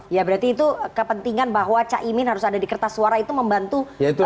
ya berarti itu kepentingan bahwa cak imin harus ada di kertas suara itu membantu kenaikan elektoral